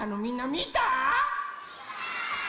みた！